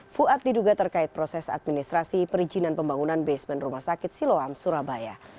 fuad diduga terkait proses administrasi perizinan pembangunan basement rumah sakit siloam surabaya